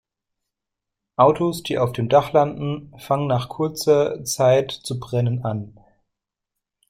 Autos, die auf dem Dach landen, fangen nach kurzer Zeit zu brennen an.